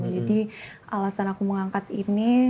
jadi alasan aku mengangkat ini